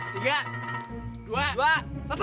tiga dua satu